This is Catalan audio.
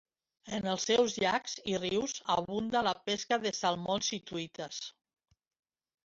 En els seus llacs i rius abunda la pesca de salmons i truites.